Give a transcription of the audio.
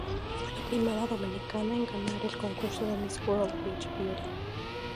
Fue la primera dominicana en ganar el concurso de Miss World Beach Beauty.